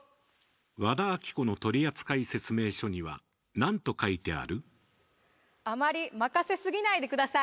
和田アキ子の取扱説明書には何と書いてある？